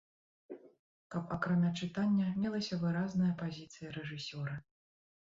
Каб акрамя чытання мелася выразная пазіцыя рэжысёра.